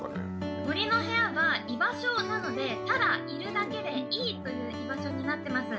「もりのへや」は居場所なのでただいるだけでいいという居場所になってます。